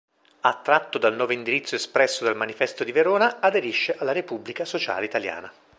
Attratto dal nuovo indirizzo espresso dal Manifesto di Verona, aderisce alla Repubblica Sociale Italiana.